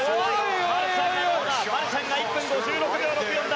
マルシャン、１分５６秒６４。